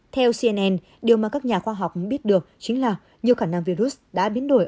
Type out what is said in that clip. theo cnn điều mà các nhà khoa học biết được chính là nhiều khả năng virus đã biến đổi